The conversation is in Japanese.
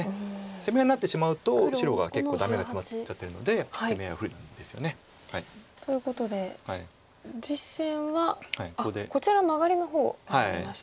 攻め合いになってしまうと白が結構ダメがツマっちゃってるので攻め合いは不利なんですよね。ということで実戦はこちらマガリの方を選びました。